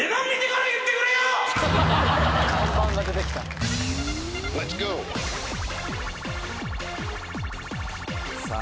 看板が出てきたさあ